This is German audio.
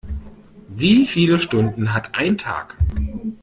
Wie viele Stunden hat ein Tag?